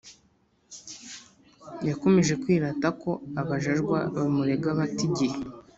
Yakomeje kwirata ko abajajwa bamurega bata igihe